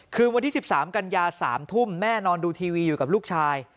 คืนวันที่๑๓กันยา๓ทุ่มแม่นอนดูทีวีอยู่กับลูกชาย